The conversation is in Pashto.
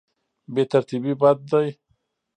بې ترتیبي بد دی.